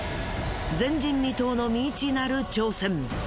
前人未到の未知なる挑戦。